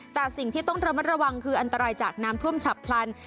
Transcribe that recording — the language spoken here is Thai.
แต่สิ่งที่ต้องระมัดระวังคืออันตรายจากน้ำท่วมฉับพลัน